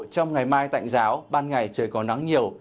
trong ngày mai tạnh giáo ban ngày trời có nắng nhiều